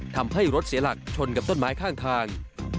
ทำให้รถเสียหลักชนกับต้นไม้ข้างทาง